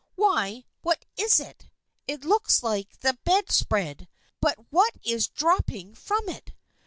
Why, what is it? It looks like the bed spread, but what is dropping from it?